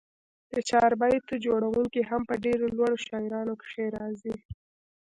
د چاربیتو جوړوونکي هم په ډېرو لوړو شاعرانو کښي راځي.